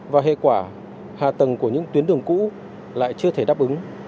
và hệ quả hạ tầng của những tuyến đường cũ lại chưa thể đáp ứng